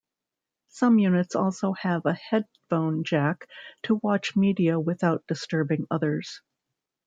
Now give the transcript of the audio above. Some units also have a headphone jack to watch media without disturbing others.